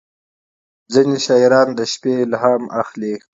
• ځینې شاعران د شپې الهام اخلي.